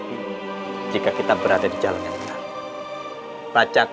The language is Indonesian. jika kita berada di jalan yang benar